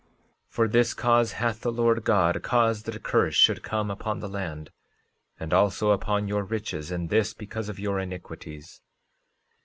13:23 For this cause hath the Lord God caused that a curse should come upon the land, and also upon your riches, and this because of your iniquities.